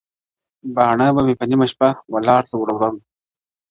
o باڼه به مي په نيمه شپه و لار ته ور وړم.